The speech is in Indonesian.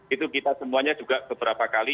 itu kita semuanya juga beberapa kali